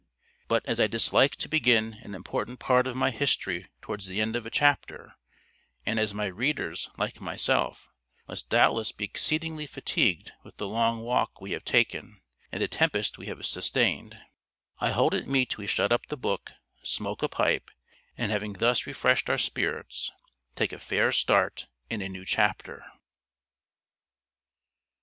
But as I dislike to begin an important part of my history towards the end of a chapter; and as my readers, like myself, must doubtless be exceedingly fatigued with the long walk we have taken, and the tempest we have sustained, I hold it meet we shut up the book, smoke a pipe, and having thus refreshed our spirits, take a fair start in a new chapter.